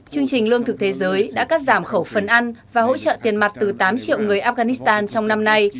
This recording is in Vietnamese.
chương trình lương thực thế giới đã cắt giảm khẩu phần ăn và hỗ trợ tiền mặt từ tám triệu người afghanistan trong năm nay